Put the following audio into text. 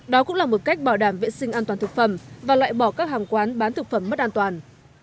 đó cũng là một cách bảo đảm vệ sinh an toàn thực phẩm và loại bỏ các hàng quán bán thực phẩm mất an toàn